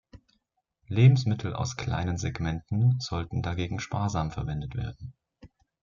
Lebensmittel aus kleinen Segmenten sollten dagegen sparsam verwendet werden.